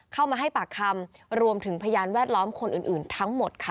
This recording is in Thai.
เข้ามาให้ปากคำรวมถึงพยานแวดล้อมคนอื่นทั้งหมดค่ะ